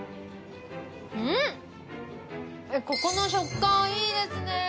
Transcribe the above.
ここの食感いいですね。